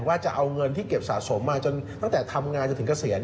ว่าจะเอาเงินที่เก็บสะสมมาจนตั้งแต่ทำงานจนถึงเกษียณ